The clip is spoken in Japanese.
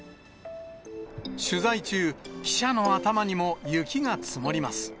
取材中、記者の頭にも雪が積もります。